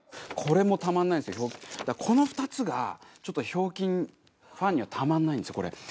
これもたまんないですよだからこの２つがちょっと「ひょうきん」ファンにはたまんないんですよこれ。